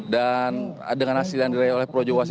dan dengan hasil yang diraih oleh projo waseso